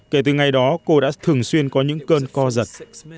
kể từ ngày đó cô đã thường xuyên có những cơn co giật